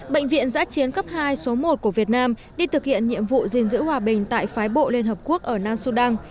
bệnh viện giã chiến cấp hai số một của việt nam đi thực hiện nhiệm vụ gìn giữ hòa bình tại phái bộ liên hợp quốc ở nam sudan